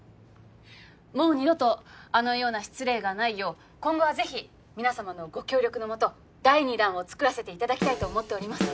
もう二度とあのような失礼がないよう今後は是非皆様のご協力の下第２弾を作らせていただきたいと思っております。